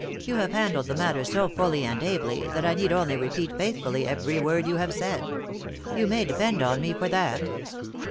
You have handled the matter so fully and ably, that I need only repeat faithfully every word you have said. You may depend upon me for that."